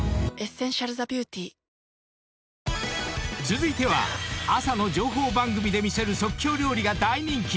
［続いては朝の情報番組で見せる即興料理が大人気］